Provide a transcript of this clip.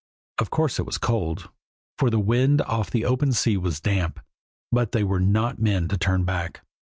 Of course it was cold, for the wind off the open sea was damp, but they were not men to turn back.